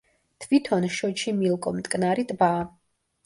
თვითონ შოჩიმილკო მტკნარი ტბაა.